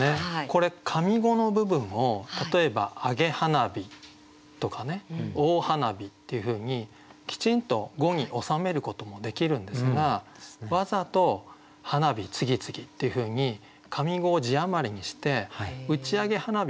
これ上五の部分を例えば「上げ花火」とかね「大花火」っていうふうにきちんと五に収めることもできるんですがわざと「花火つぎつぎ」っていうふうに上五を字余りにして打ち上げ花火がどんどん上がっている。